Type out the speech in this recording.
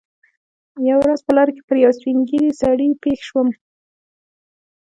یوه ورځ په لاره کې پر یوه سپین ږیري سړي پېښ شوم.